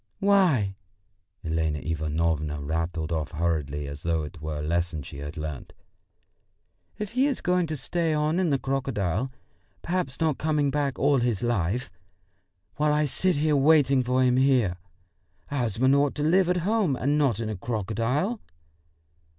"Why," Elena Ivanovna rattled off hurriedly, as though it were a lesson she had learnt, "if he is going to stay on in the crocodile, perhaps not come back all his life, while I sit waiting for him here! A husband ought to live at home, and not in a crocodile...."